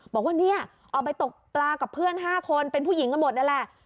บอกว่าเนี่ยออกไปตกปลากับเพื่อน๕คนเป็นผู้หญิงกันหมดนั่นแหละ